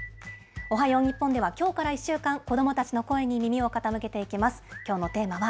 おはよう日本では、きょうから１週間、子どもたちの声に耳を傾けていきます。